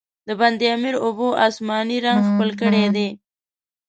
د بند امیر اوبو، آسماني رنګ خپل کړی دی.